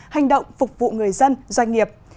hành động phục vụ người dân doanh nghiệp